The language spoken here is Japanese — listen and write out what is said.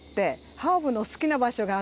ハーブの好きな場所？